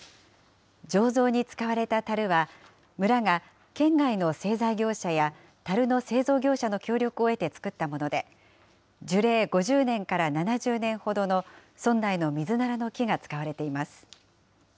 醸造に使われたたるは、村が県外の製材業者やたるの製造業者の協力を得て作ったもので、樹齢５０年から７０年ほどの村内のミズナラの木が使われています。